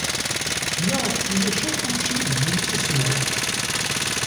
Maɣef ulac akk učči deg yimsismeḍ?